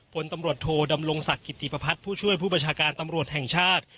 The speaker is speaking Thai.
ผลตำรวจโทดำรงศักดิ์กิติประพัฒน์ผู้ช่วยผู้บัญชาการตำรวจแห่งชาติ